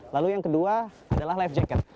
lalu yang kedua adalah life jacket